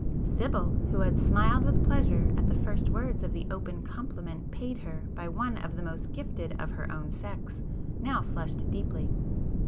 Sibyl, who had smiled with pleasure at the first words of the open compliment paid her by one of the most gifted of her own sex, now flushed deeply.